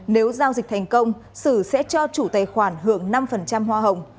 nếu giao dịch thành công sử sẽ cho chủ tài khoản hưởng năm hoa hồng